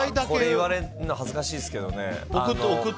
これ言われるの恥ずかしいですけどね。